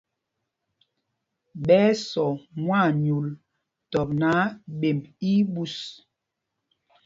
Ɓɛ́ ɛ́ sɔ mwaanyûl tɔp náǎ, ɓemb í í ɓus.